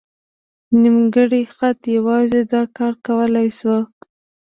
نیمګړی خط یوازې دا کار کولی شو.